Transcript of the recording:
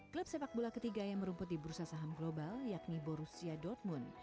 klub sepak bola ketiga yang merumput di bursa saham global yakni borussia dortmund